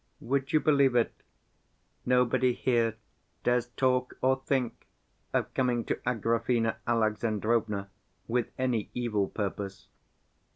Would you believe it, nobody here dares talk or think of coming to Agrafena Alexandrovna with any evil purpose.